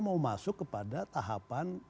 mau masuk kepada tahapan